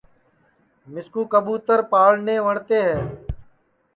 مِسکُو کئبوتر پاݪنے وٹؔتے ہے